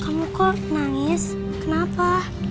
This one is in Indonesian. kamu kok nangis kenapa